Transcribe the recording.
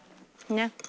ねっ。